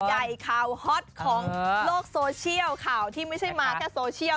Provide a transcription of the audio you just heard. ใหญ่ข่าวฮอตของโลกโซเชียลข่าวที่ไม่ใช่มาแค่โซเชียล